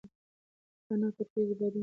پاڼه په تېزو بادونو کې ورکه نه شوه.